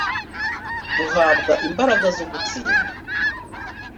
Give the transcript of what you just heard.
duhabwa imbaraga zo gutsinda